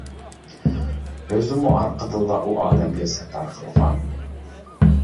ئۆزىمۇ ئارقىدىنلا ئۇ ئالەمگە سەپەر قىلغان.